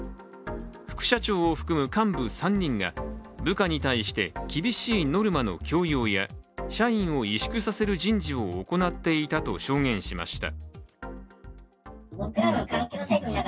副社長を含む幹部３人が部下に対して厳しいノルマの強要や社員を萎縮させる人事を行っていたと証言しました。